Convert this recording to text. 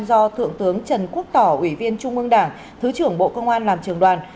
do thượng tướng trần quốc tỏ ủy viên trung ương đảng thứ trưởng bộ công an làm trường đoàn